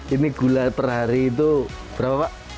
ini gula per hari itu berapa pak